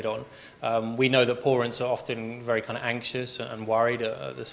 kami tahu bahwa pelanggan terlalu bersemangat dan khawatir saat operasi